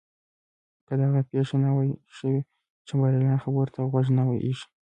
که دغه پېښه نه وای شوې چمبرلاین خبرو ته غوږ نه وای ایښی.